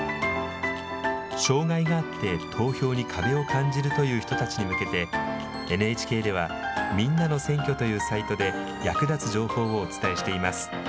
障害があって投票に壁を感じるという人たちに向けて、ＮＨＫでは、みんなの選挙というサイトで役立つ情報をお伝えしています。